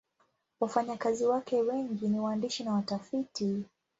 Wafanyakazi wake wengi ni waandishi na watafiti.